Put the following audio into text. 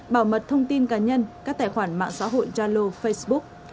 bảo mật thông tin cá nhân các tài khoản mạng xã hội jalo facebook